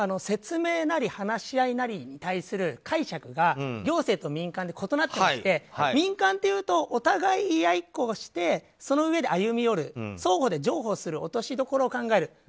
説明なり話し合いなりに対する解釈が行政と民間で異なっていまして民間というとお互い言い合いっこをしてそのうえで歩み寄る双方で譲歩する落としどころを考える